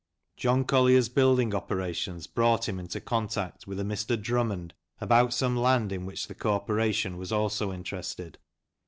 John Collier's building operations brought him into contact with a Mr. Drummond about some land in which the Corporation was also interested.